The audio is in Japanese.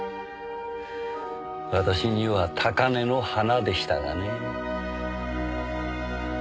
私には高嶺の花でしたがね。